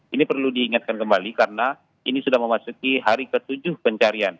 ini perlu diingatkan kembali karena ini sudah memasuki hari ke tujuh pencarian